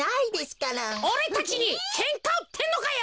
おれたちにけんかうってんのかよ！